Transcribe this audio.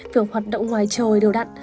việc hoạt động ngoài trời đều đặn